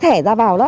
không được vào anh